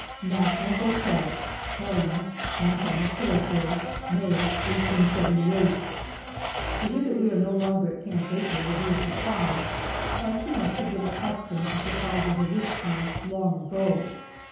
NATIONAL HOTEL, HELENA, MONTANA TERRITORY, May, 1878. TO hear that we are no longer at Camp Baker will be a surprise, but you must have become accustomed to surprises of this kind long ago.